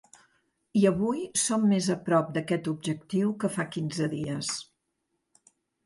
I avui som més a prop d’aquest objectiu que fa quinze dies.